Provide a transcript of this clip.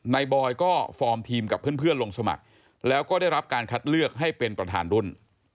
บอยก็ฟอร์มทีมกับเพื่อนลงสมัครแล้วก็ได้รับการคัดเลือกให้เป็นประธานรุ่น